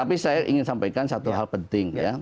tapi saya ingin sampaikan satu hal penting ya